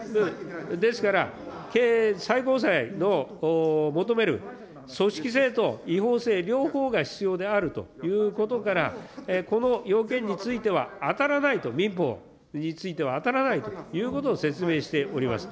ですから、最高裁の求める組織性と違法性、両方が必要であるということから、この要件については当たらないと、民法については当たらないということを説明しております。